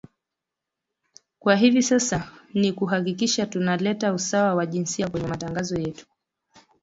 kwa hivi sasa ni kuhakikisha tuna leta usawa wa jinsia kwenye matangazo yetu